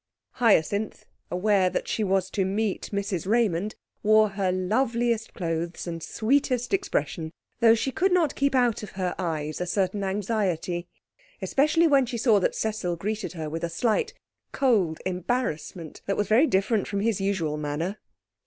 Hyacinth, aware she was to meet Mrs Raymond, wore her loveliest clothes and sweetest expression, though she could not keep out of her eyes a certain anxiety, especially when she saw that Cecil greeted her with a slight, cold embarrassment that was very different from his usual manner.